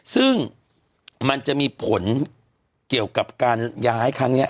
ซึ่งมันจะมีผลเกี่ยวกับการย้ายครั้งนี้